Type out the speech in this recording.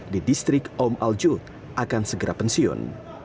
di distrik om al jut akan segera pensiun